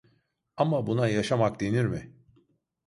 Ama buna yaşamak denir mi?